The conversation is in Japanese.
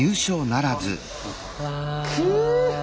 くっ。